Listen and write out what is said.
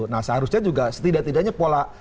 nah seharusnya juga setidak tidaknya pola